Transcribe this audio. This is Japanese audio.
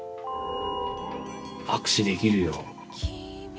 握手できるよ。